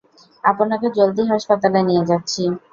আপনাকে জলদি হাসপাতালে নিয়ে যাচ্ছি।